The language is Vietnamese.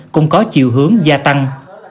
cũng có chiều hướng gia tăng